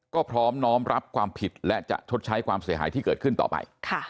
ก็พร้อมน้อมรับความผิดและจะชดใช้ความเสียหายที่เกิดขึ้นต่อไป